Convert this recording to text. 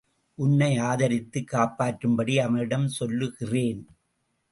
உன்னை ஆதரித்துக் காப்பாற்றும்படி அவனிடம் சொல்லுகிறேன்.